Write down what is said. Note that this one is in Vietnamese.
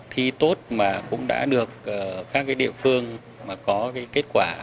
thì tốt mà cũng đã được các cái địa phương mà có cái kết quả